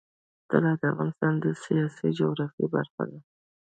طلا د افغانستان د سیاسي جغرافیه برخه ده.